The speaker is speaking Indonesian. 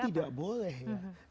itu tidak boleh ya